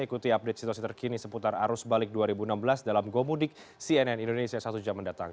ikuti update situasi terkini seputar arus balik dua ribu enam belas dalam gomudik cnn indonesia satu jam mendatang